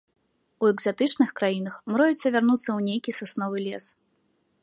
У экзатычных краінах мроіцца вярнуцца ў нейкі сасновы лес.